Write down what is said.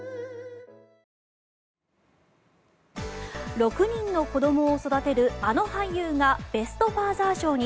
６人の子供を育てるあの俳優がベスト・ファーザー賞に。